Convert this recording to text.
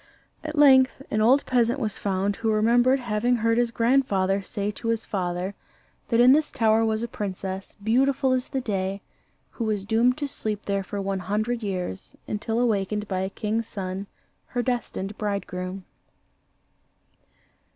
At length an old peasant was found who remembered having heard his grandfather say to his father, that in this tower was a princess, beautiful as the day, who was doomed to sleep there for one hundred years, until awakened by a king's son, her destined bridegroom.